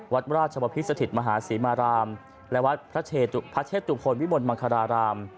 วัดราชบพิษสถิตมหาศรีมารามและวัดพระเชตุพลวิมลมังคาราราม